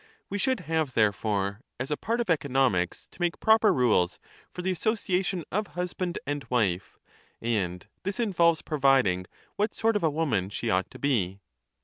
We should have, therefore, as a part of economics to make proper rules for the association of husband and wife; and this involves providing what sort of a woman she ought to be.